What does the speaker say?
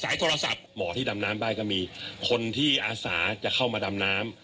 โทรศัพท์หมอที่ดำน้ำได้ก็มีคนที่อาสาจะเข้ามาดำน้ำ